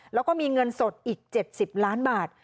แล้วก็มีเงินสดอีก๗๐ล้านบาท